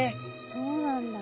そうなんだ。